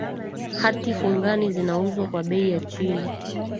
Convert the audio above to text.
hati fungani zinauzwa kwa bei ya chini